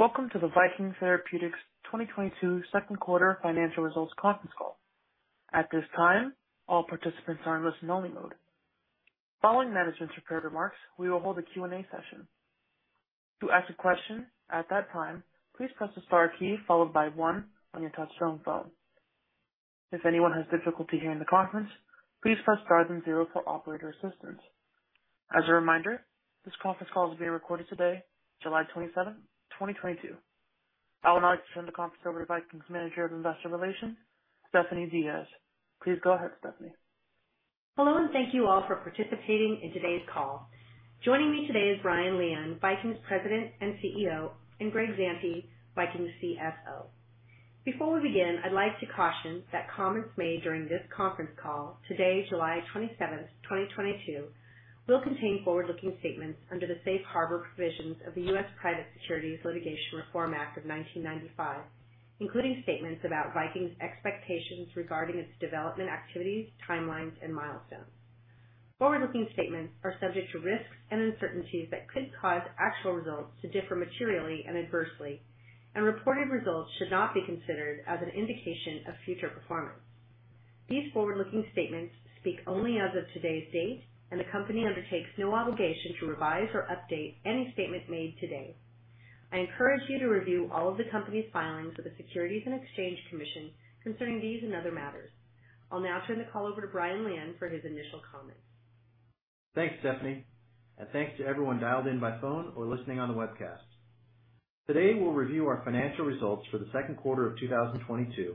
Welcome to the Viking Therapeutics 2022 second quarter financial results conference call. At this time, all participants are in listen only mode. Following management's prepared remarks, we will hold a Q&A session. To ask a question at that time, please press the star key followed by one on your touch-tone phone. If anyone has difficulty hearing the conference, please press star then zero for operator assistance. As a reminder, this conference call is being recorded today, July 27th, 2022. I would now like to turn the conference over to Viking's Manager of Investor Relations, Stephanie Diaz. Please go ahead, Stephanie. Hello and thank you all for participating in today's call. Joining me today is Brian Lian, Viking's President and CEO, and Greg Zante, Viking's CFO. Before we begin, I'd like to caution that comments made during this conference call today, July 27th, 2022, will contain forward-looking statements under the safe harbor provisions of the U.S. Private Securities Litigation Reform Act of 1995, including statements about Viking's expectations regarding its development activities, timelines and milestones. Forward-looking statements are subject to risks and uncertainties that could cause actual results to differ materially and adversely, and reported results should not be considered as an indication of future performance. These forward-looking statements speak only as of today's date, and the company undertakes no obligation to revise or update any statement made today. I encourage you to review all of the company's filings with the Securities and Exchange Commission concerning these and other matters. I'll now turn the call over to Brian Lian for his initial comments. Thanks, Stephanie, and thanks to everyone dialed in by phone or listening on the webcast. Today, we'll review our financial results for the second quarter of 2022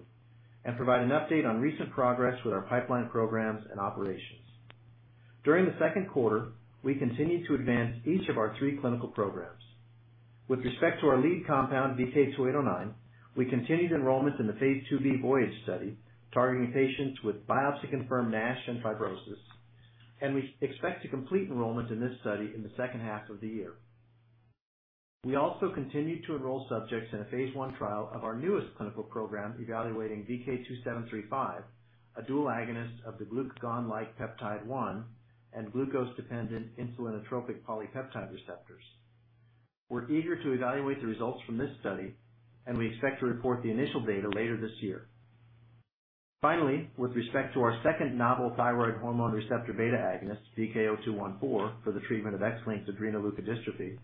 and provide an update on recent progress with our pipeline programs and operations. During the second quarter, we continued to advance each of our three clinical programs. With respect to our lead compound, VK2809, we continued enrollment in the phase II-B VOYAGE study, targeting patients with biopsy-confirmed NASH and fibrosis, and we expect to complete enrollment in this study in the second half of the year. We also continued to enroll subjects in a phase I trial of our newest clinical program evaluating VK2735, a dual agonist of the glucagon-like peptide-1 and glucose-dependent insulinotropic polypeptide receptors. We're eager to evaluate the results from this study, and we expect to report the initial data later this year. Finally, with respect to our second novel thyroid hormone receptor beta agonist, VK0214, for the treatment of X-linked adrenoleukodystrophy.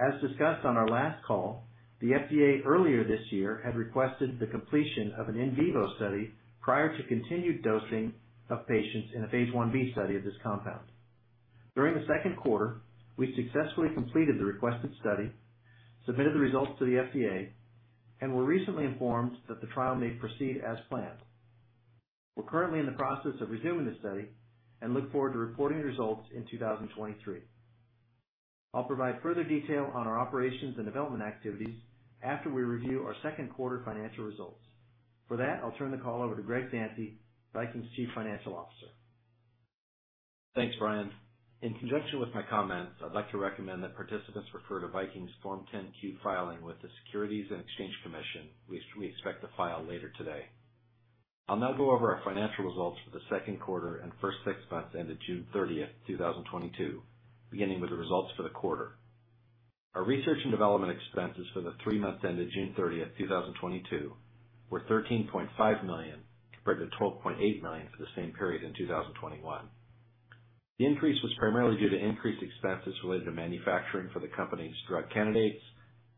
As discussed on our last call, the FDA earlier this year had requested the completion of an in vivo study prior to continued dosing of patients in a phase I-B study of this compound. During the second quarter, we successfully completed the requested study, submitted the results to the FDA, and were recently informed that the trial may proceed as planned. We're currently in the process of resuming the study and look forward to reporting results in 2023. I'll provide further detail on our operations and development activities after we review our second quarter financial results. For that, I'll turn the call over to Greg Zante, Viking's Chief Financial Officer. Thanks, Brian. In conjunction with my comments, I'd like to recommend that participants refer to Viking's Form 10-Q filing with the Securities and Exchange Commission, which we expect to file later today. I'll now go over our financial results for the second quarter and first six months ended June 30th, 2022, beginning with the results for the quarter. Our research and development expenses for the three months ended June 30th, 2022 were $13.5 million, compared to $12.8 million for the same period in 2021. The increase was primarily due to increased expenses related to manufacturing for the company's drug candidates,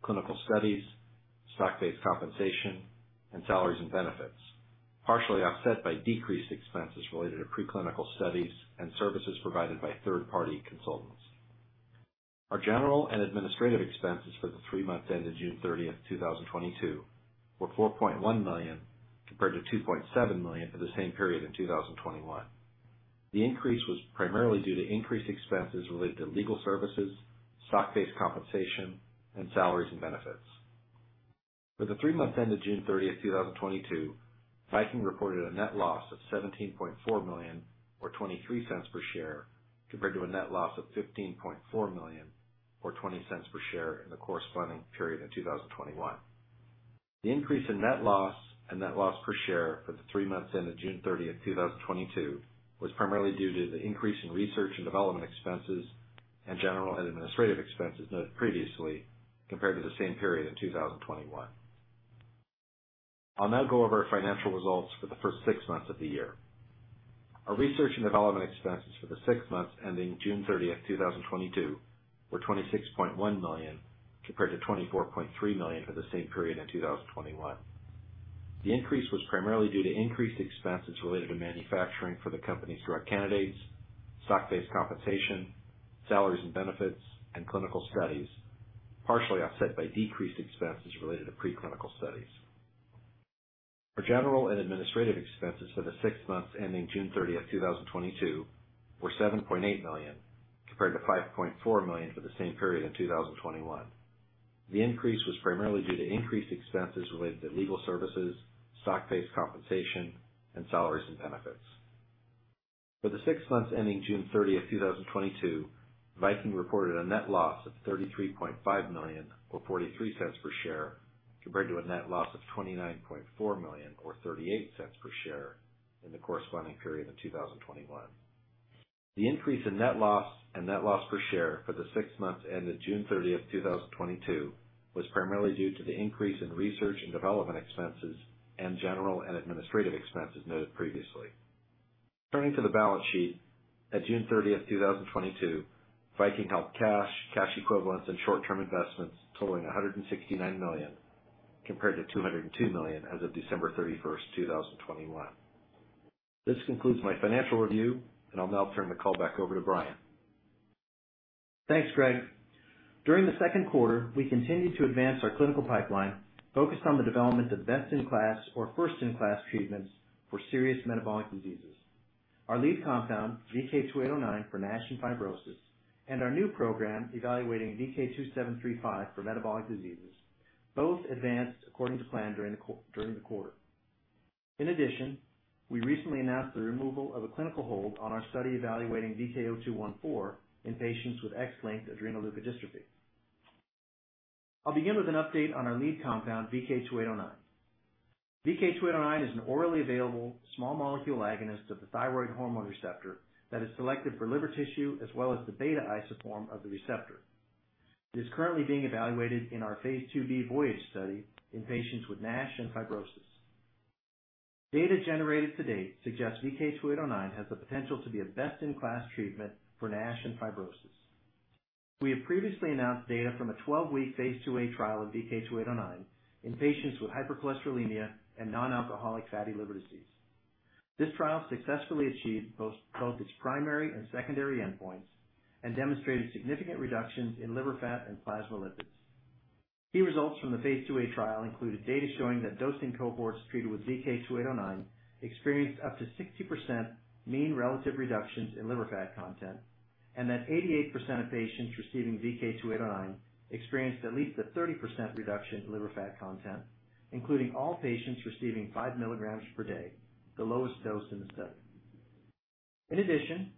clinical studies, stock-based compensation, and salaries and benefits, partially offset by decreased expenses related to pre-clinical studies and services provided by third-party consultants. Our general and administrative expenses for the three months ended June 30, 2022 were $4.1 million, compared to $2.7 million for the same period in 2021. The increase was primarily due to increased expenses related to legal services, stock-based compensation, and salaries and benefits. For the three months ended June 30, 2022, Viking reported a net loss of $17.4 million, or $0.23 per share, compared to a net loss of $15.4 million or $0.20 per share in the corresponding period in 2021. The increase in net loss and net loss per share for the three months ended June 30, 2022, was primarily due to the increase in research and development expenses and general and administrative expenses noted previously, compared to the same period in 2021. I'll now go over our financial results for the first six months of the year. Our research and development expenses for the six months ending June thirtieth, two thousand twenty-two were $26.1 million, compared to $24.3 million for the same period in two thousand twenty-one. The increase was primarily due to increased expenses related to manufacturing for the company's drug candidates, stock-based compensation, salaries and benefits, and clinical studies, partially offset by decreased expenses related to pre-clinical studies. Our general and administrative expenses for the six months ending June thirtieth, two thousand twenty-two were $7.8 million, compared to $5.4 million for the same period in two thousand twenty-one. The increase was primarily due to increased expenses related to legal services, stock-based compensation, and salaries and benefits. For the six months ending June 30, 2022, Viking reported a net loss of $33.5 million or $0.43 per share, compared to a net loss of $29.4 million or $0.38 per share in the corresponding period in 2021. The increase in net loss and net loss per share for the six months ended June 30, 2022 was primarily due to the increase in research and development expenses and general and administrative expenses noted previously. Turning to the balance sheet, at June 30, 2022, Viking held cash equivalents and short-term investments totaling $169 million compared to $202 million as of December 31, 2021. This concludes my financial review, and I'll now turn the call back over to Brian. Thanks, Greg. During the second quarter, we continued to advance our clinical pipeline focused on the development of best-in-class or first-in-class treatments for serious metabolic diseases. Our lead compound, VK2809 for NASH and fibrosis, and our new program evaluating VK2735 for metabolic diseases, both advanced according to plan during the quarter. In addition, we recently announced the removal of a clinical hold on our study evaluating VK0214 in patients with X-linked adrenoleukodystrophy. I'll begin with an update on our lead compound, VK2809. VK2809 is an orally available small molecule agonist of the thyroid hormone receptor that is selective for liver tissue as well as the beta isoform of the receptor. It is currently being evaluated in our phase II-B VOYAGE study in patients with NASH and fibrosis. Data generated to date suggests VK0214 has the potential to be a best-in-class treatment for NASH and fibrosis. We have previously announced data from a 12-week phase II-A trial of VK2809 in patients with hypercholesterolemia and non-alcoholic fatty liver disease. This trial successfully achieved both its primary and secondary endpoints and demonstrated significant reductions in liver fat and plasma lipids. Key results from the phase II-A trial included data showing that dosing cohorts treated with VK2809 experienced up to 60% mean relative reductions in liver fat content, and that 88% of patients receiving VK2809 experienced at least a 30% reduction in liver fat content, including all patients receiving 5 mg per day, the lowest dose in the study. In addition,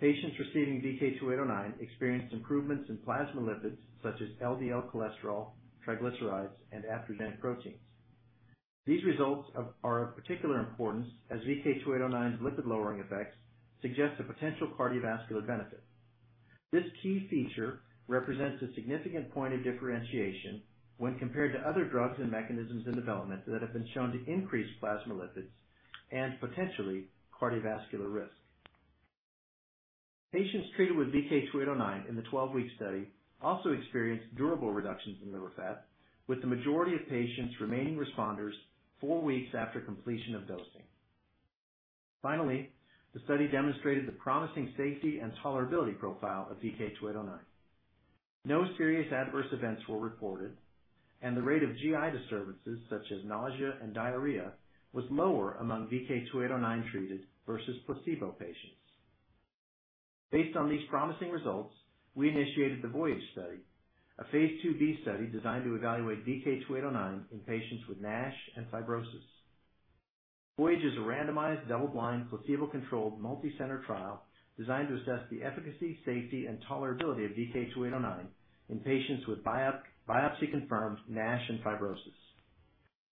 patients receiving VK2809 experienced improvements in plasma lipids such as LDL cholesterol, triglycerides, and apolipoproteins. These results are of particular importance as VK2809's lipid-lowering effects suggest a potential cardiovascular benefit. This key feature represents a significant point of differentiation when compared to other drugs and mechanisms in development that have been shown to increase plasma lipids and potentially cardiovascular risk. Patients treated with VK2809 in the 12-week study also experienced durable reductions in liver fat with the majority of patients remaining responders four weeks after completion of dosing. Finally, the study demonstrated the promising safety and tolerability profile of VK2809. No serious adverse events were reported, and the rate of GI disturbances such as nausea and diarrhea was lower among VK2809-treated versus placebo patients. Based on these promising results, we initiated the VOYAGE study, a phase II-B study designed to evaluate VK2809 in patients with NASH and fibrosis. VOYAGE is a randomized, double-blind, placebo-controlled, multi-center trial designed to assess the efficacy, safety, and tolerability of VK2809 in patients with biopsy-confirmed NASH and fibrosis.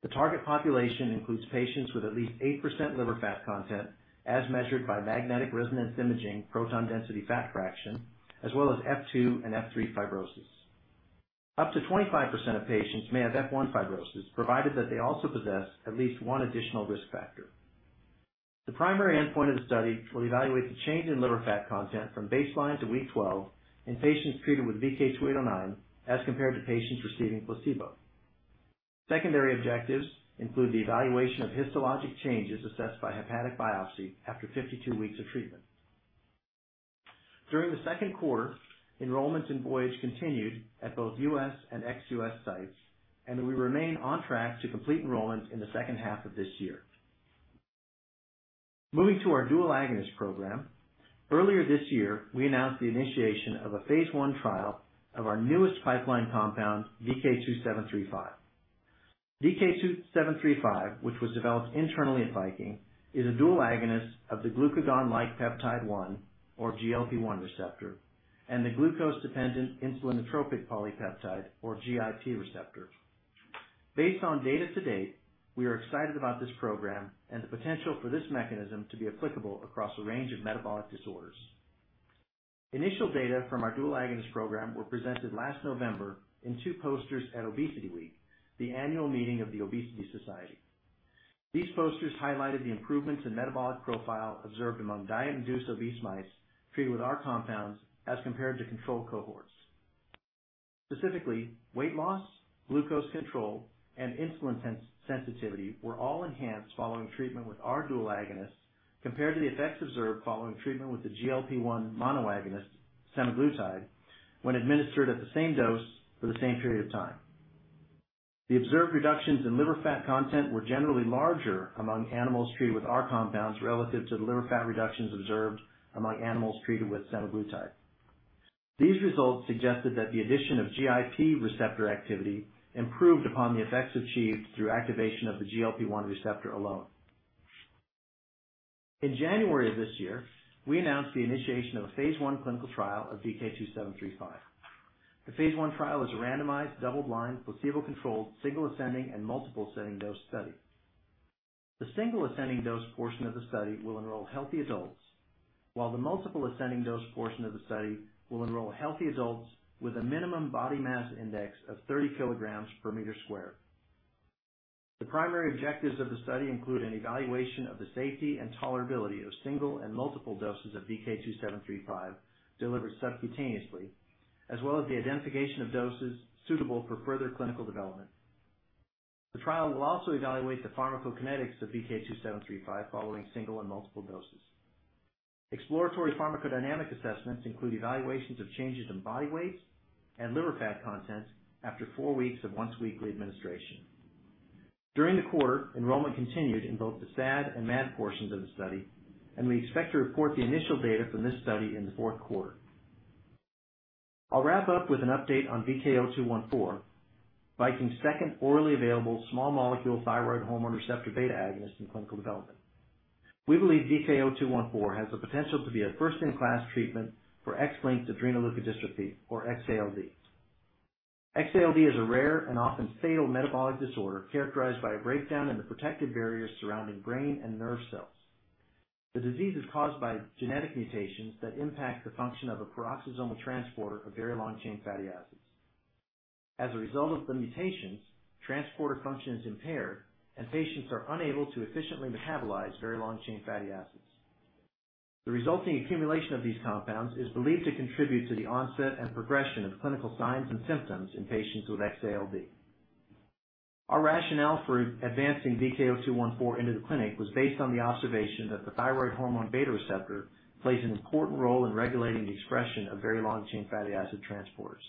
The target population includes patients with at least 8% liver fat content as measured by magnetic resonance imaging proton density fat fraction, as well as F2 and F3 fibrosis. Up to 25% of patients may have F1 fibrosis, provided that they also possess at least one additional risk factor. The primary endpoint of the study will evaluate the change in liver fat content from baseline to week 12 in patients treated with VK2809 as compared to patients receiving placebo. Secondary objectives include the evaluation of histologic changes assessed by hepatic biopsy after 52 weeks of treatment. During the second quarter, enrollments in VOYAGE continued at both U.S. and ex-U.S. sites, and we remain on track to complete enrollment in the second half of this year. Moving to our dual agonist program. Earlier this year, we announced the initiation of a phase I trial of our newest pipeline compound, VK2735. VK2735, which was developed internally at Viking, is a dual agonist of the glucagon-like peptide one or GLP-1 receptor and the glucose-dependent insulinotropic polypeptide or GIP receptor. Based on data to date, we are excited about this program and the potential for this mechanism to be applicable across a range of metabolic disorders. Initial data from our dual agonist program were presented last November in two posters at ObesityWeek, the annual meeting of The Obesity Society. These posters highlighted the improvements in metabolic profile observed among diet-induced obese mice treated with our compounds as compared to control cohorts. Specifically, weight loss, glucose control, and insulin sensitivity were all enhanced following treatment with our dual agonist compared to the effects observed following treatment with the GLP-1 monoagonist, semaglutide, when administered at the same dose for the same period of time. The observed reductions in liver fat content were generally larger among animals treated with our compounds relative to the liver fat reductions observed among animals treated with semaglutide. These results suggested that the addition of GIP receptor activity improved upon the effects achieved through activation of the GLP-1 receptor alone. In January of this year, we announced the initiation of a phase I clinical trial of VK2735. The phase I trial is a randomized, double-blind, placebo-controlled, single ascending and multiple ascending dose study. The single ascending dose portion of the study will enroll healthy adults, while the multiple ascending dose portion of the study will enroll healthy adults with a minimum body mass index of 30 kg per meter squared. The primary objectives of the study include an evaluation of the safety and tolerability of single and multiple doses of VK2735 delivered subcutaneously, as well as the identification of doses suitable for further clinical development. The trial will also evaluate the pharmacokinetics of VK2735 following single and multiple doses. Exploratory pharmacodynamic assessments include evaluations of changes in body weight and liver fat content after four weeks of once-weekly administration. During the quarter, enrollment continued in both the SAD and MAD portions of the study, and we expect to report the initial data from this study in the fourth quarter. I'll wrap up with an update on VK0214, Viking's second orally available small molecule thyroid hormone receptor beta agonist in clinical development. We believe VK0214 has the potential to be a first-in-class treatment for X-linked adrenoleukodystrophy or X-ALD. X-ALD is a rare and often fatal metabolic disorder characterized by a breakdown in the protective barriers surrounding brain and nerve cells. The disease is caused by genetic mutations that impact the function of a peroxisomal transporter of very long-chain fatty acids. As a result of the mutations, transporter function is impaired, and patients are unable to efficiently metabolize very long-chain fatty acids. The resulting accumulation of these compounds is believed to contribute to the onset and progression of clinical signs and symptoms in patients with X-ALD. Our rationale for advancing VK0214 into the clinic was based on the observation that the thyroid hormone beta receptor plays an important role in regulating the expression of very long-chain fatty acid transporters.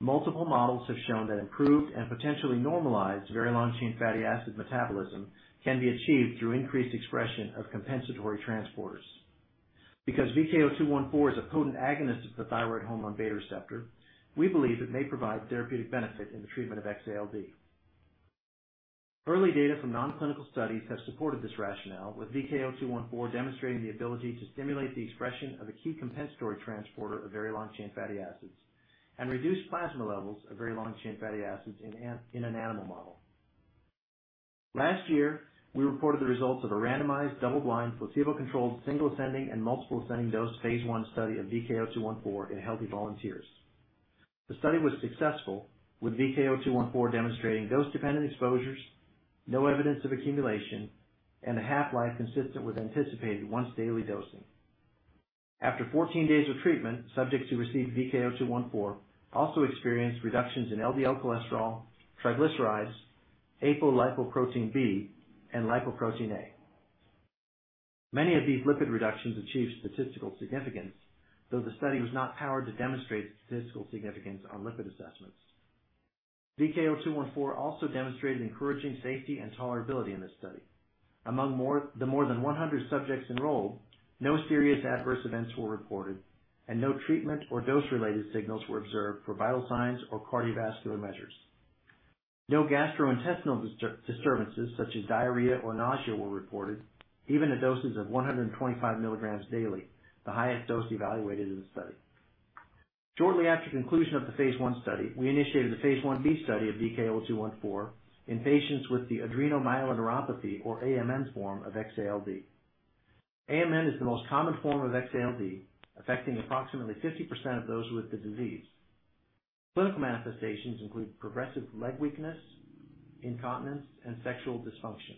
Multiple models have shown that improved and potentially normalized very long-chain fatty acid metabolism can be achieved through increased expression of compensatory transporters. Because VK0214 is a potent agonist of the thyroid hormone beta receptor, we believe it may provide therapeutic benefit in the treatment of X-ALD. Early data from non-clinical studies has supported this rationale, with VK0214 demonstrating the ability to stimulate the expression of a key compensatory transporter of very long-chain fatty acids and reduce plasma levels of very long-chain fatty acids in an animal model. Last year, we reported the results of a randomized, double-blind, placebo-controlled, single ascending and multiple ascending dose phase I study of VK0214 in healthy volunteers. The study was successful, with VK0214 demonstrating dose-dependent exposures, no evidence of accumulation, and a half-life consistent with anticipated once-daily dosing. After 14 days of treatment, subjects who received VK0214 also experienced reductions in LDL cholesterol, triglycerides, apolipoprotein B, and lipoprotein(a). Many of these lipid reductions achieved statistical significance, though the study was not powered to demonstrate statistical significance on lipid assessments. VK0214 also demonstrated encouraging safety and tolerability in this study. Among the more than 100 subjects enrolled, no serious adverse events were reported, and no treatment or dose-related signals were observed for vital signs or cardiovascular measures. No gastrointestinal disturbances such as diarrhea or nausea were reported, even at doses of 125 mg daily, the highest dose evaluated in the study. Shortly after conclusion of the phase I study, we initiated the phase I-B study of VK0214 in patients with adrenomyeloneuropathy or AMN form of X-ALD. AMN is the most common form of X-ALD, affecting approximately 50% of those with the disease. Clinical manifestations include progressive leg weakness, incontinence, and sexual dysfunction.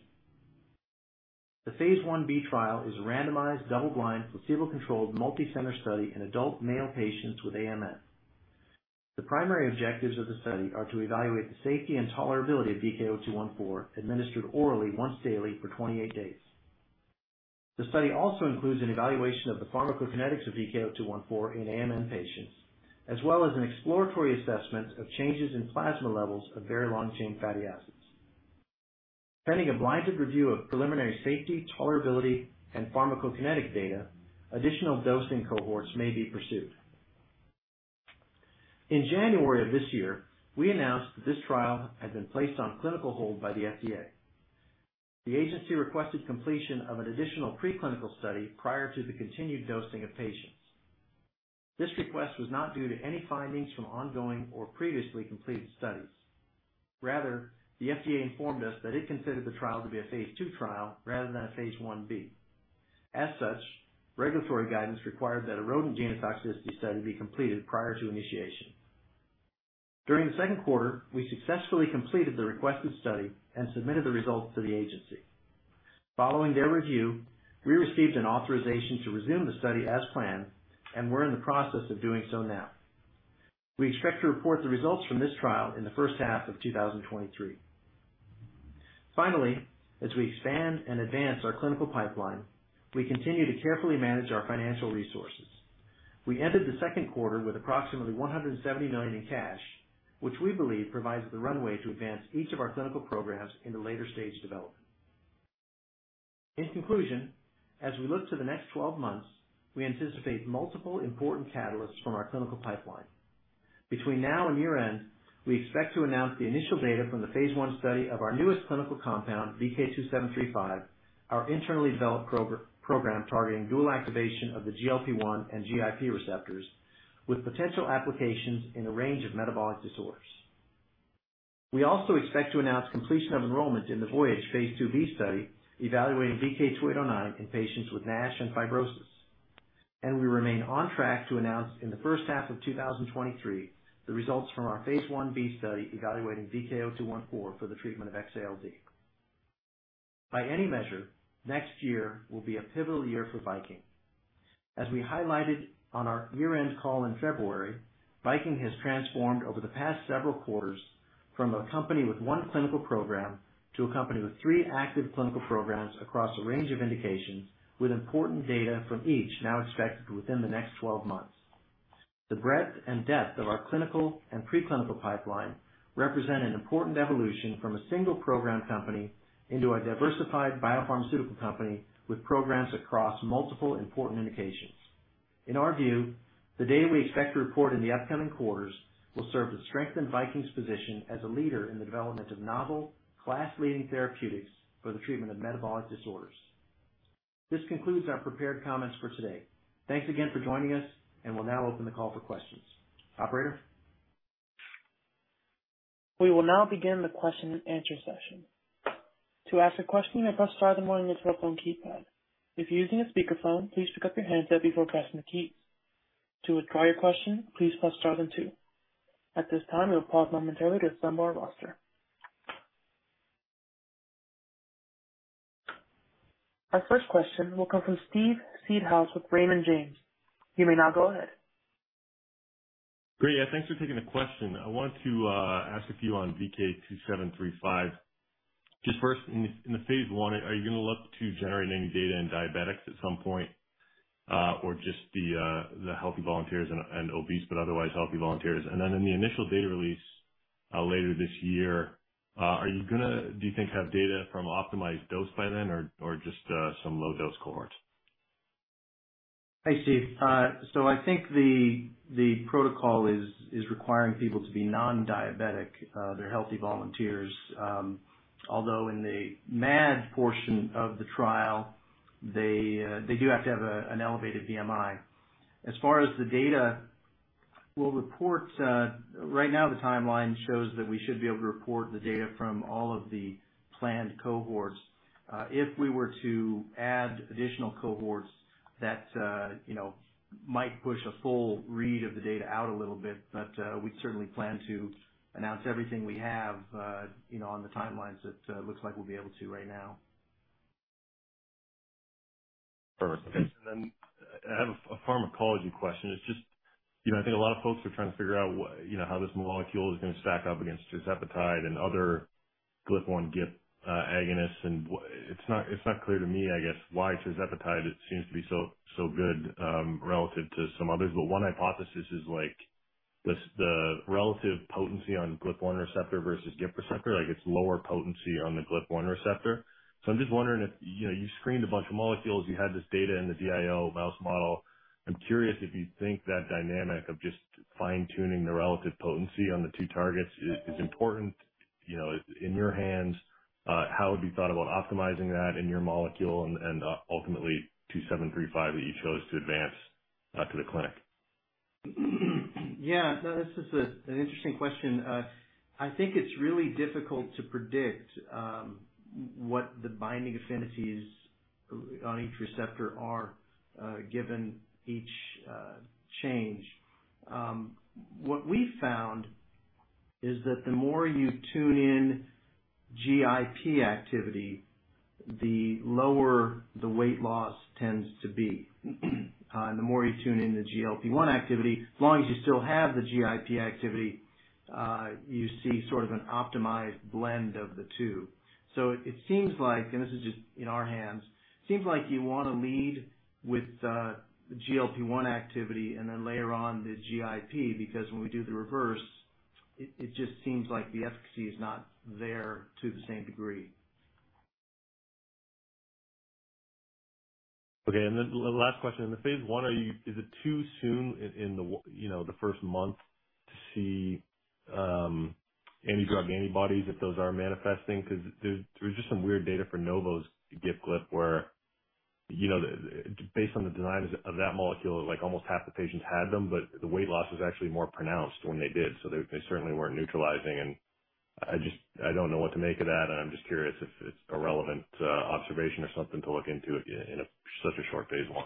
The phase I-B trial is a randomized, double-blind, placebo-controlled, multi-center study in adult male patients with AMN. The primary objectives of the study are to evaluate the safety and tolerability of VK0214 administered orally once daily for 28 days. The study also includes an evaluation of the pharmacokinetics of VK0214 in AMN patients, as well as an exploratory assessment of changes in plasma levels of very long-chain fatty acids. Pending a blinded review of preliminary safety, tolerability, and pharmacokinetic data, additional dosing cohorts may be pursued. In January of this year, we announced that this trial had been placed on clinical hold by the FDA. The agency requested completion of an additional preclinical study prior to the continued dosing of patients. This request was not due to any findings from ongoing or previously completed studies. Rather, the FDA informed us that it considered the trial to be a phase II trial rather than a phase I-B. As such, regulatory guidance required that a rodent genotoxicity study be completed prior to initiation. During the second quarter, we successfully completed the requested study and submitted the results to the agency. Following their review, we received an authorization to resume the study as planned and we're in the process of doing so now. We expect to report the results from this trial in the first half of 2023. Finally, as we expand and advance our clinical pipeline, we continue to carefully manage our financial resources. We ended the second quarter with approximately $170 million in cash, which we believe provides the runway to advance each of our clinical programs into later-stage development. In conclusion, as we look to the next twelve months, we anticipate multiple important catalysts from our clinical pipeline. Between now and year-end, we expect to announce the initial data from the phase I study of our newest clinical compound, VK2735, our internally developed program targeting dual activation of the GLP-1 and GIP receptors with potential applications in a range of metabolic disorders. We also expect to announce completion of enrollment in the VOYAGE phase II-B study, evaluating VK2809 in patients with NASH and fibrosis. We remain on track to announce in the first half of 2023, the results from our phase I-B study evaluating VK0214 for the treatment of X-ALD. By any measure, next year will be a pivotal year for Viking. As we highlighted on our year-end call in February, Viking has transformed over the past several quarters from a company with one clinical program to a company with three active clinical programs across a range of indications, with important data from each now expected within the next 12 months. The breadth and depth of our clinical and pre-clinical pipeline represent an important evolution from a single program company into a diversified biopharmaceutical company with programs across multiple important indications. In our view, the data we expect to report in the upcoming quarters will serve to strengthen Viking's position as a leader in the development of novel, class-leading therapeutics for the treatment of metabolic disorders. This concludes our prepared comments for today. Thanks again for joining us, and we'll now open the call for questions. Operator? We will now begin the question and answer session. To ask a question, press star then one on your telephone keypad. If you're using a speakerphone, please pick up your handset before pressing the keys. To withdraw your question, please press star then two. At this time, we'll pause momentarily to assemble our roster. Our first question will come from Steve Seedhouse with Raymond James. You may now go ahead. Great. Yeah, thanks for taking the question. I wanted to ask a few on VK2735. Just first, in the phase I, are you gonna look to generating any data in diabetics at some point, or just the healthy volunteers and obese but otherwise healthy volunteers? Then in the initial data release later this year, are you gonna, do you think, have data from optimized dose by then or just some low dose cohorts? Hey, Steve. I think the protocol is requiring people to be non-diabetic. They're healthy volunteers. Although in the MAD portion of the trial, they do have to have an elevated BMI. As far as the data we'll report, right now the timeline shows that we should be able to report the data from all of the planned cohorts. If we were to add additional cohorts, that you know might push a full read of the data out a little bit. We certainly plan to announce everything we have you know on the timelines that looks like we'll be able to right now. Perfect. Then I have a pharmacology question. It's just, you know, I think a lot of folks are trying to figure out what, you know, how this molecule is gonna stack up against tirzepatide and other GLP-1/GIP agonists. It's not clear to me, I guess, why tirzepatide seems to be so good relative to some others. One hypothesis is like this, the relative potency on GLP-1 receptor versus GIP receptor, like it's lower potency on the GLP-1 receptor. I'm just wondering if, you know, you screened a bunch of molecules, you had this data in the DIO mouse model. I'm curious if you think that dynamic of just fine-tuning the relative potency on the two targets is important, you know, in your hands. How have you thought about optimizing that in your molecule and ultimately VK2735 that you chose to advance to the clinic? Yeah, no, this is an interesting question. I think it's really difficult to predict what the binding affinities on each receptor are, given each change. What we found is that the more you tune in GIP activity, the lower the weight loss tends to be. The more you tune in the GLP-1 activity, as long as you still have the GIP activity, you see sort of an optimized blend of the two. It seems like, and this is just in our hands, you wanna lead with the GLP-1 activity and then layer on the GIP, because when we do the reverse, it just seems like the efficacy is not there to the same degree. Okay. Then the last question. In the phase I, is it too soon in, you know, the first month to see anti-drug antibodies if those are manifesting? Because there's just some weird data for Novo's GIP-GLP where, you know, based on the designs of that molecule, like almost half the patients had them, but the weight loss was actually more pronounced when they did. They certainly weren't neutralizing and I just don't know what to make of that. I'm just curious if it's a relevant observation or something to look into in such a short phase I.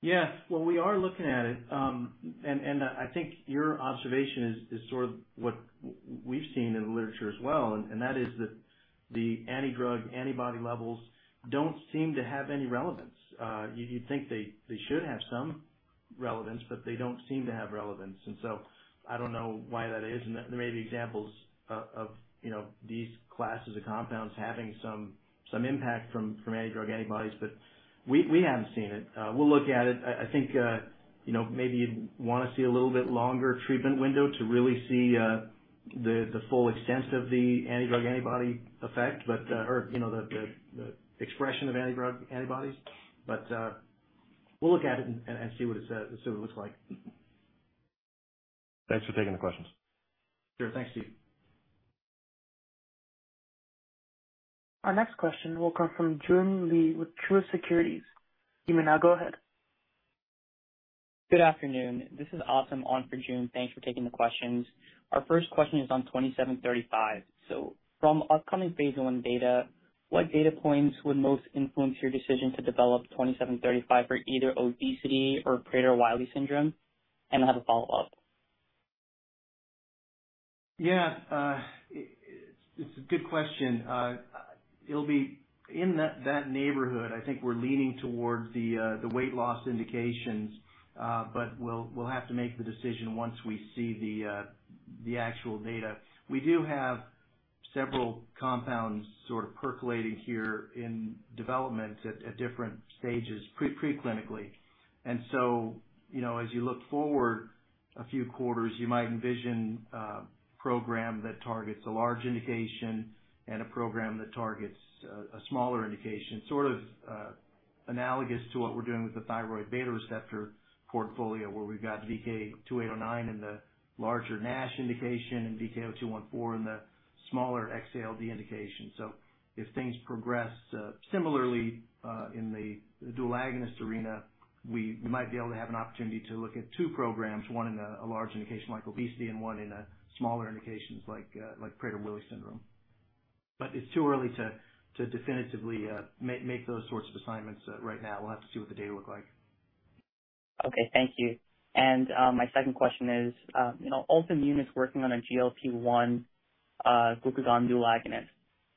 Yes. Well, we are looking at it. I think your observation is sort of what we've seen in the literature as well, and that is that the anti-drug antibody levels don't seem to have any relevance. You'd think they should have some relevance, but they don't seem to have relevance. I don't know why that is. There may be examples of, you know, these classes of compounds having some impact from anti-drug antibodies, but we haven't seen it. We'll look at it. I think, you know, maybe you'd wanna see a little bit longer treatment window to really see the full extent of the anti-drug antibody effect, but or, you know, the expression of anti-drug antibodies. We'll look at it and see what it says and see what it looks like. Thanks for taking the questions. Sure. Thanks, Steve. Our next question will come from Joon Lee with Truist Securities. You may now go ahead. Good afternoon. This is Asim on for Joon. Thanks for taking the questions. Our first question is on VK2735. From upcoming phase I data, what data points would most influence your decision to develop VK2735 for either obesity or Prader-Willi syndrome? I have a follow-up. Yeah. It's a good question. It'll be in that neighborhood. I think we're leaning towards the weight loss indications. But we'll have to make the decision once we see the actual data. We do have several compounds sort of percolating here in development at different stages pre-clinically. You know, as you look forward a few quarters, you might envision a program that targets a large indication and a program that targets a smaller indication, sort of analogous to what we're doing with the thyroid beta receptor portfolio, where we've got VK2809 in the larger NASH indication and VK0214 in the smaller X-ALD indication. If things progress similarly in the dual agonist arena, we might be able to have an opportunity to look at two programs, one in a large indication like obesity and one in smaller indications like Prader-Willi syndrome. It's too early to definitively make those sorts of assignments right now. We'll have to see what the data look like. Thank you. My second question is, you know, Altimmune is working on a GLP-1 glucagon dual agonist.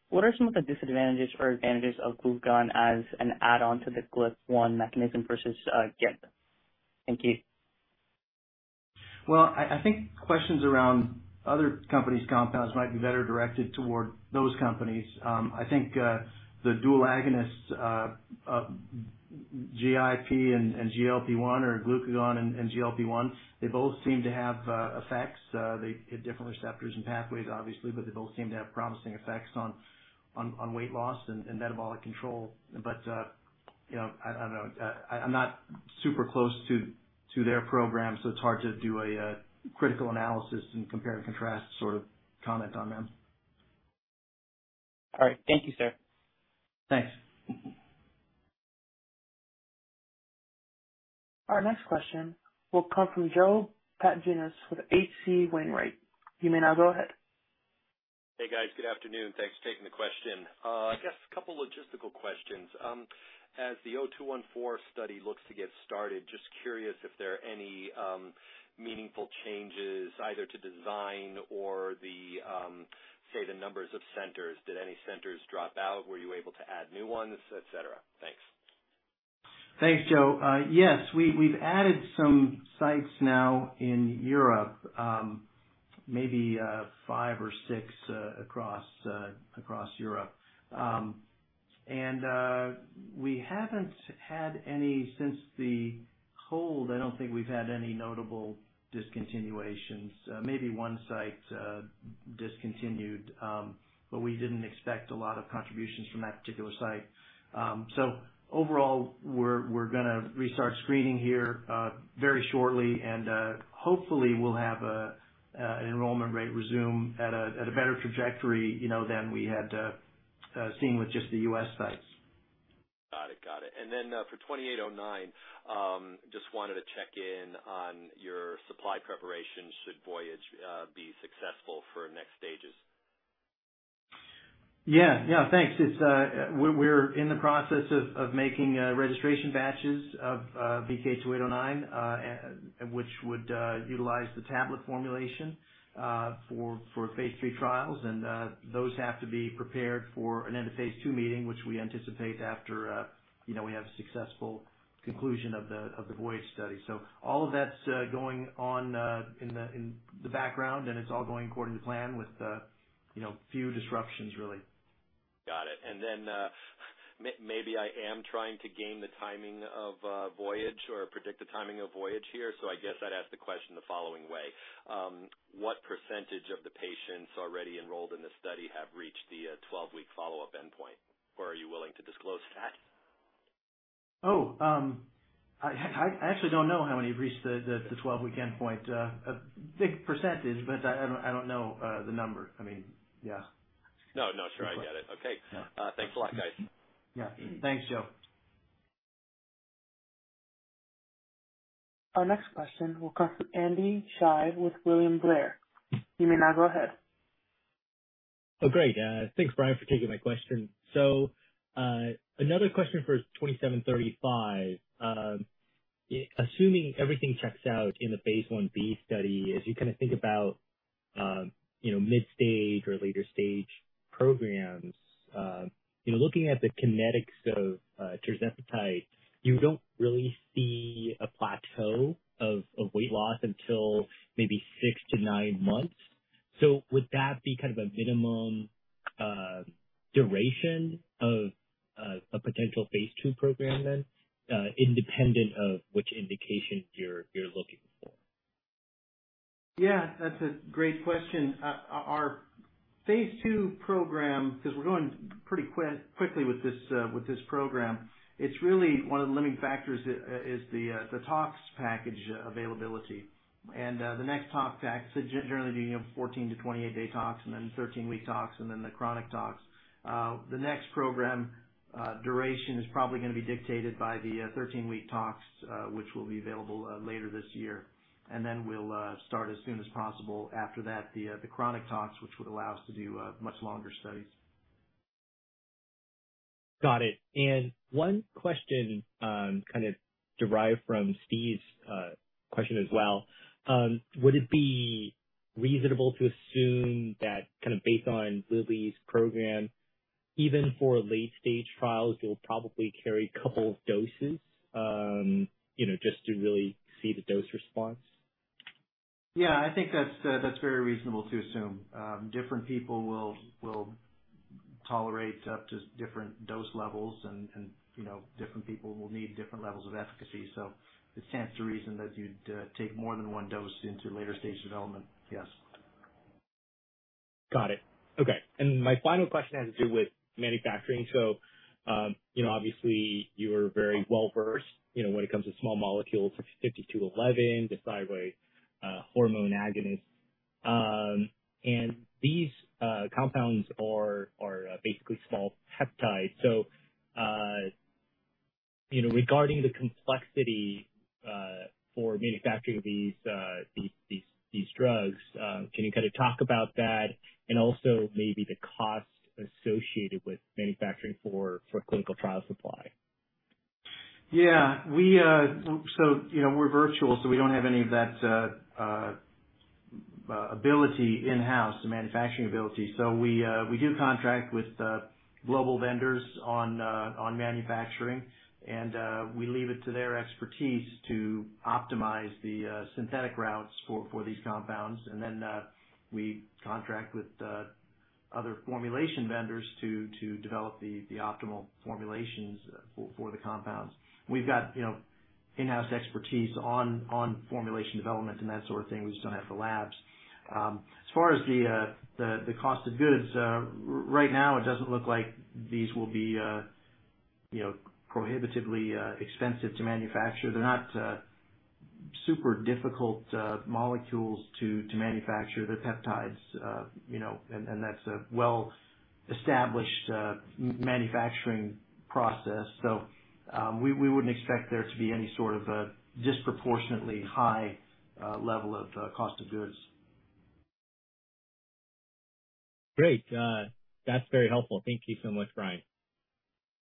What are some of the disadvantages or advantages of glucagon as an add-on to the GLP-1 mechanism versus GIP? Thank you. Well, I think questions around other companies' compounds might be better directed toward those companies. I think the dual agonist, GIP and GLP-1 or glucagon and GLP-1, they both seem to have effects. They hit different receptors and pathways, obviously, but they both seem to have promising effects on weight loss and metabolic control. You know, I don't know. I'm not super close to their program, so it's hard to do a critical analysis and compare and contrast sort of comment on them. All right. Thank you, sir. Thanks. Our next question will come from Joe Pantginis with H.C. Wainwright. You may now go ahead. Hey, guys. Good afternoon. Thanks for taking the question. I guess a couple logistical questions. As the VK0214 study looks to get started, just curious if there are any meaningful changes either to design or the say, the numbers of centers. Did any centers drop out? Were you able to add new ones, et cetera? Thanks. Thanks, Joe. Yes, we've added some sites now in Europe, maybe five or six across Europe. We haven't had any since the hold. I don't think we've had any notable discontinuations. Maybe one site discontinued, but we didn't expect a lot of contributions from that particular site. Overall, we're gonna restart screening here very shortly, and hopefully we'll have an enrollment rate resume at a better trajectory, you know, than we had seen with just the U.S. sites. Got it. For VK2809, just wanted to check in on your supply preparation should VOYAGE be successful for next stages. Yeah. Yeah. Thanks. We're in the process of making registration batches of VK2809, and which would utilize the tablet formulation for phase III trials. Those have to be prepared for an end-of-phase II meeting, which we anticipate after you know we have a successful conclusion of the VOYAGE study. All of that's going on in the background, and it's all going according to plan with you know few disruptions really. Got it. Maybe I am trying to gain the timing of VOYAGE or predict the timing of VOYAGE here, so I guess I'd ask the question the following way. What percentage of the patients already enrolled in this study have reached the twelve-week follow-up endpoint? Or are you willing to disclose that? I actually don't know how many have reached the 12-week endpoint. A big percentage, but I don't know the number. I mean, yeah. No, no, sure. I get it. Okay. Thanks a lot, guys. Yeah. Thanks, Joe. Our next question will come from Andy Hsieh with William Blair. You may now go ahead. Oh, great. Thanks, Brian, for taking my question. Another question for VK2735. Assuming everything checks out in the phase I-B study, as you kinda think about, you know, mid-stage or later stage programs, you know, looking at the kinetics of tirzepatide, you don't really see a plateau of weight loss until maybe 6-9 months. Would that be kind of a minimum duration of a potential phase II program then, independent of which indication you're looking for? Yeah, that's a great question. Our phase II program, 'cause we're going pretty quickly with this program, it's really one of the limiting factors is the tox package availability. The next tox package, so generally being 14-28-day tox, and then 13-week tox, and then the chronic tox. The next program duration is probably gonna be dictated by the 13-week tox, which will be available later this year. We'll start as soon as possible after that, the chronic tox, which would allow us to do much longer studies. Got it. One question, kind of derived from Steve's question as well, would it be reasonable to assume that kind of based on Lilly's program, even for late-stage trials, you'll probably carry a couple of doses, you know, just to really see the dose response? Yeah, I think that's very reasonable to assume. Different people will tolerate up to different dose levels and you know, different people will need different levels of efficacy. It stands to reason that you'd take more than one dose into later stage development, yes. Got it. Okay. My final question has to do with manufacturing. You know, obviously you're very well-versed, you know, when it comes to small molecules, VK0214, the thyroid hormone agonist. These compounds are basically small peptides. You know, regarding the complexity for manufacturing these drugs, can you kinda talk about that and also maybe the cost associated with manufacturing for clinical trial supply? Yeah. We're virtual, so we don't have any of that ability in-house, the manufacturing ability. We do contract with global vendors on manufacturing. We leave it to their expertise to optimize the synthetic routes for these compounds. We contract with other formulation vendors to develop the optimal formulations for the compounds. We've got, you know, in-house expertise on formulation development and that sort of thing. We just don't have the labs. As far as the cost of goods right now, it doesn't look like these will be, you know, prohibitively expensive to manufacture. They're not super difficult molecules to manufacture. They're peptides, you know, and that's a well-established manufacturing process. We wouldn't expect there to be any sort of a disproportionately high level of cost of goods. Great. That's very helpful. Thank you so much, Brian.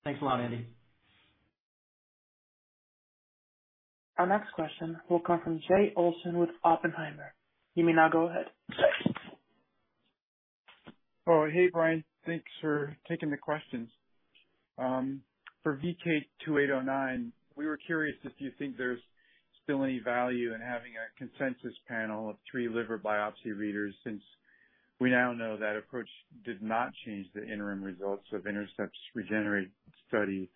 Thanks a lot, Andy. Our next question will come from Jay Olson with Oppenheimer. You may now go ahead. Oh, hey, Brian. Thanks for taking the questions. For VK2809, we were curious if you think there's still any value in having a consensus panel of three liver biopsy readers, since we now know that approach did not change the interim results of Intercept's REGENERATE study.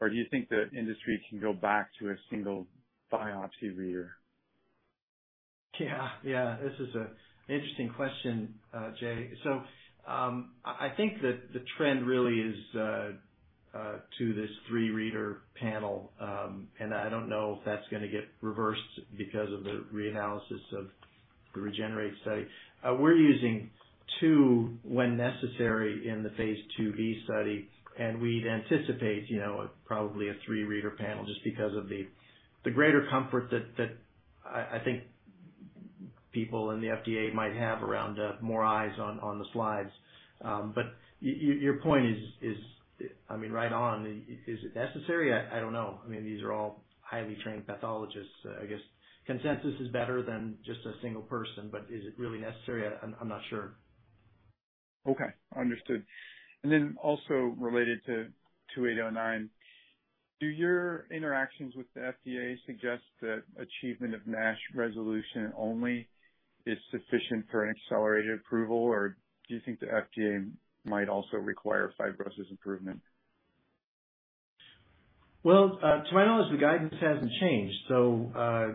Or do you think the industry can go back to a single biopsy reader? Yeah. Yeah. This is an interesting question, Jay. I think that the trend really is to this three-reader panel. I don't know if that's gonna get reversed because of the reanalysis of the REGENERATE study. We're using two when necessary in the phase II-B study, and we'd anticipate probably a three-reader panel just because of the greater comfort that I think people in the FDA might have around more eyes on the slides. Your point is, I mean, right on. Is it necessary? I don't know. I mean, these are all highly trained pathologists. I guess consensus is better than just a single person. Is it really necessary? I'm not sure. Okay. Understood. Related to VK2809, do your interactions with the FDA suggest that achievement of NASH resolution only is sufficient for an accelerated approval, or do you think the FDA might also require fibrosis improvement? Well, to my knowledge, the guidance hasn't changed, so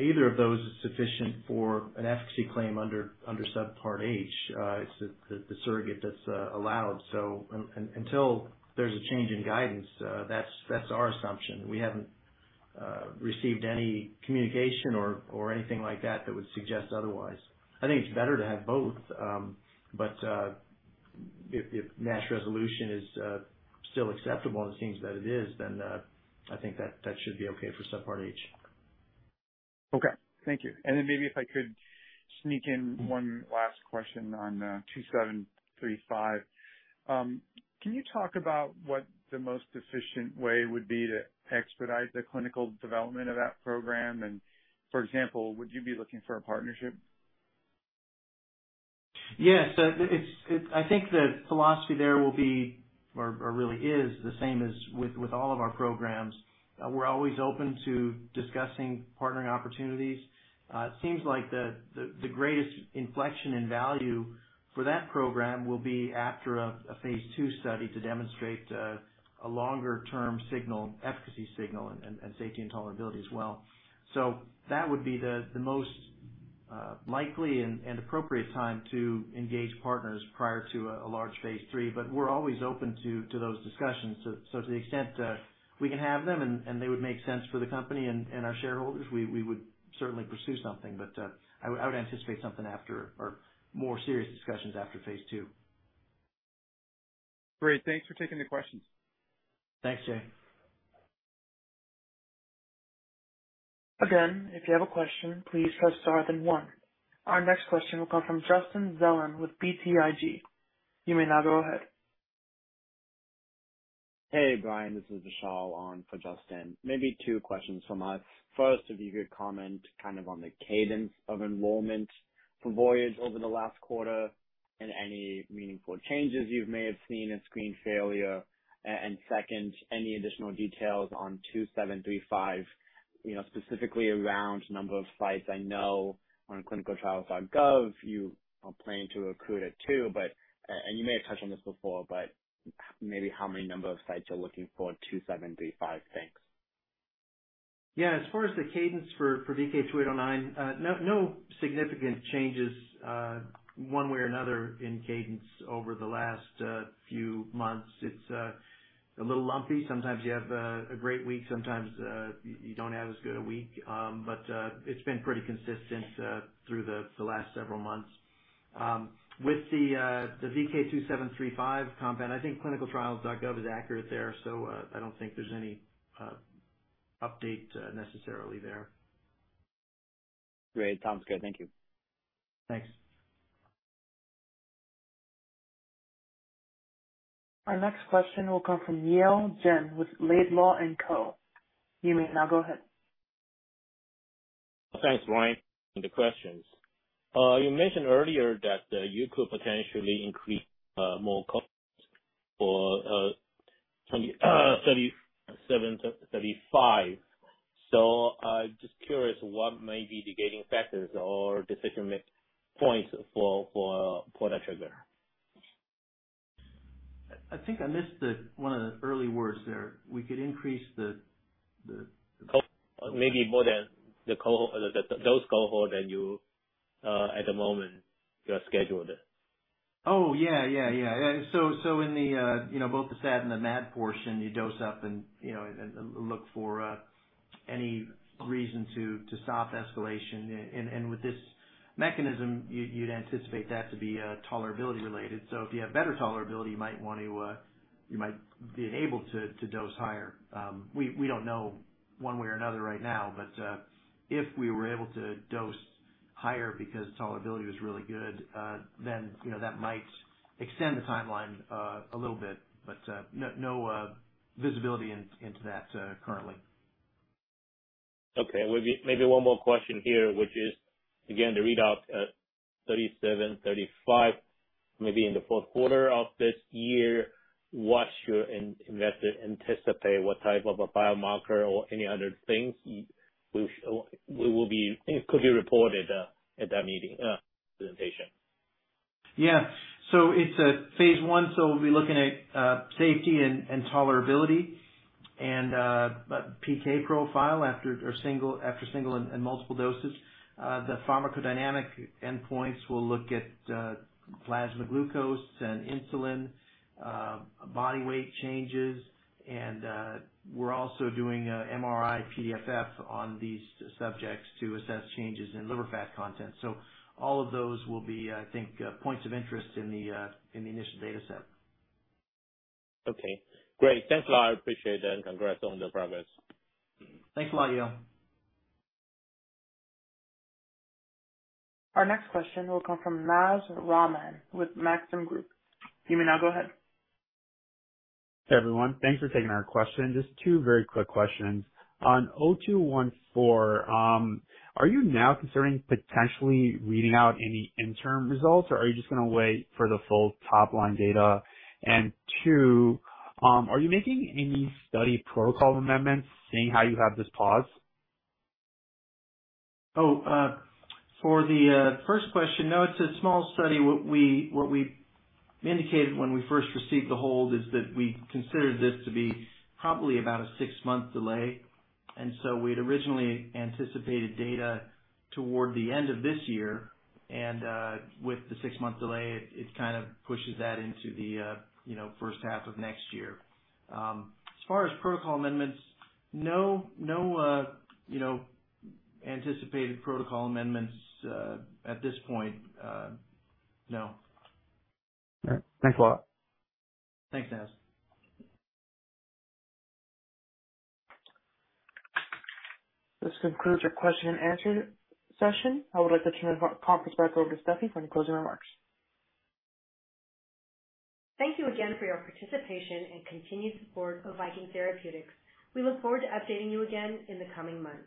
either of those is sufficient for an efficacy claim under Subpart H. It's the surrogate that's allowed. So until there's a change in guidance, that's our assumption. We haven't received any communication or anything like that that would suggest otherwise. I think it's better to have both. But if NASH resolution is still acceptable, and it seems that it is, then I think that should be okay for Subpart H. Okay. Thank you. Maybe if I could sneak in one last question on VK2735. Can you talk about what the most efficient way would be to expedite the clinical development of that program? For example, would you be looking for a partnership? Yes. I think the philosophy there will be or really is the same as with all of our programs. We're always open to discussing partnering opportunities. It seems like the greatest inflection in value for that program will be after a phase II study to demonstrate a longer-term signal, efficacy signal and safety and tolerability as well. That would be the most likely and appropriate time to engage partners prior to a large phase III, but we're always open to those discussions. To the extent we can have them and they would make sense for the company and our shareholders, we would certainly pursue something. I would anticipate something after or more serious discussions after phase II. Great. Thanks for taking the questions. Thanks, Jay. Again, if you have a question, please press star then one. Our next question will come from Justin Zelin with BTIG. You may now go ahead. Hey, Brian. This is Vishal on for Justin. Maybe two questions from us. First, if you could comment kind of on the cadence of enrollment for VOYAGE over the last quarter and any meaningful changes you may have seen in screen failure. And second, any additional details on two seven three five, you know, specifically around number of sites. I know on ClinicalTrials.gov you are planning to recruit at two, but, and you may have touched on this before, but maybe how many number of sites you're looking for two seven three five. Thanks. Yeah, as far as the cadence for VK2809, no significant changes one way or another in cadence over the last few months. It's a little lumpy. Sometimes you have a great week, sometimes you don't have as good a week. It's been pretty consistent through the last several months. With the VK2735 compound, I think ClinicalTrials.gov is accurate there, so I don't think there's any update necessarily there. Great. Sounds good. Thank you. Thanks. Our next question will come from Yale Jen with Laidlaw & Company. You may now go ahead. Thanks, Brian, for the questions. You mentioned earlier that you could potentially increase more costs for VK2735. Just curious what may be the gating factors or decision points for that trigger? I think I missed one of the early words there. Cost. Maybe more than the cohort, the dose cohort that you, at the moment you are scheduled. Yeah. In both the SAD and the MAD portion, you dose up and look for any reason to stop escalation. With this mechanism, you'd anticipate that to be tolerability related. If you have better tolerability, you might be able to dose higher. We don't know one way or another right now, but if we were able to dose higher because tolerability was really good, then that might extend the timeline a little bit. No visibility into that currently. Okay. Well, just maybe one more question here, which is, again, the readout at VK2735, maybe in the fourth quarter of this year. What should an investor anticipate? What type of a biomarker or any other things could be reported at that meeting presentation? Yeah. It's a phase I, so we'll be looking at safety and tolerability and PK profile after single and multiple doses. The pharmacodynamic endpoints will look at plasma glucose and insulin, body weight changes, and we're also doing MRI-PDFF on these subjects to assess changes in liver fat content. All of those will be, I think, points of interest in the initial data set. Okay. Great. Thanks a lot. I appreciate it, and congrats on the progress. Thanks a lot, Yale. Our next question will come from Naz Rahman with Maxim Group. You may now go ahead. Everyone, thanks for taking our question. Just two very quick questions. On VK0214, are you now considering potentially reading out any interim results, or are you just gonna wait for the full top-line data? Two, are you making any study protocol amendments, seeing how you have this pause? For the first question, no, it's a small study. What we indicated when we first received the hold is that we considered this to be probably about a six-month delay. We'd originally anticipated data toward the end of this year, and with the six-month delay, it kind of pushes that into the, you know, first half of next year. As far as protocol amendments, no anticipated protocol amendments at this point, no. All right. Thanks a lot. Thanks, Naz. This concludes your question and answer session. I would like to turn the conference back over to Stephanie for any closing remarks. Thank you again for your participation and continued support of Viking Therapeutics. We look forward to updating you again in the coming months.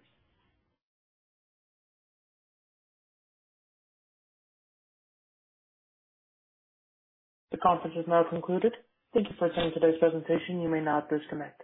The conference is now concluded. Thank you for attending today's presentation. You may now disconnect.